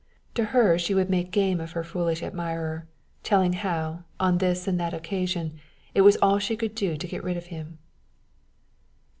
To her she would make game of her foolish admirer, telling how, on this and that occasion, it was all she could do to get rid of him.